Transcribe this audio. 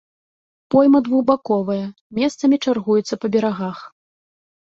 Пойма двухбаковая, месцамі чаргуецца па берагах.